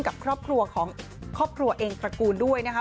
กับครอบครัวของครอบครัวเองตระกูลด้วยนะคะ